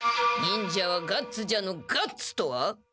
「忍者はガッツじゃ！！」のガッツとは。